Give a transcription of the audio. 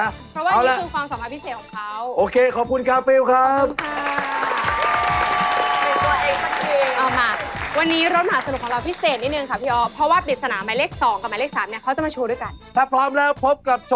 นี่คือความสนามพิเศษของเขาโอเคขอบคุณค่ะฟิลล์ครับ